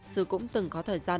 sư cũng từng có thời gian